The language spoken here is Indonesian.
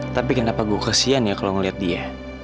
tapi kenapa gue kesian ya kalo ngeliat dia